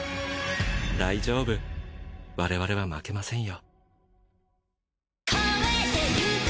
大丈夫我々は負けませんよ。